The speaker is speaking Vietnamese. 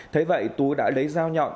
thế vậy tú đã lấy dao nhọn